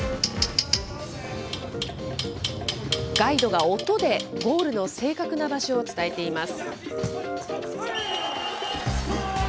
ガイドが音でゴールの正確な場所を伝えています。